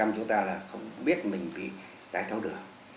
một bảy mươi chúng ta không biết mình bị đáy thao đường